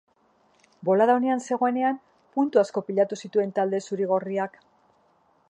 Bolada onean zegoenean puntu asko pilatu zituen talde zuri-gorriak.